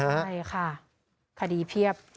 ใช่ค่ะคดีเพียบ